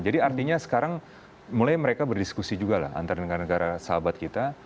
jadi artinya sekarang mulai mereka berdiskusi juga lah antara negara negara sahabat kita